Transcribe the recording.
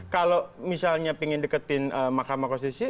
kalau misalnya ingin deketin mahkamah konstitusi